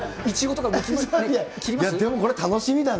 でもこれ、楽しみだね。